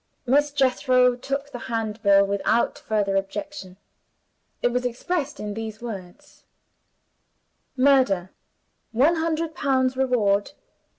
Miss Jethro took the Handbill without further objection. It was expressed in these words: "MURDER. 100 POUNDS REWARD.